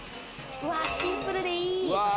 シンプルでいい。